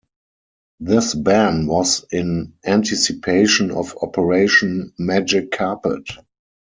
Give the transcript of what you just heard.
This ban was in anticipation of Operation Magic Carpet.